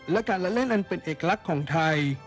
และการละเล่นอันเป็นเอกลักษณ์ของไทย